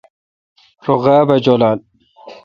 رو غاب اؘ جولال۔